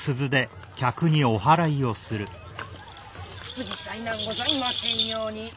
無事災難ございませんように。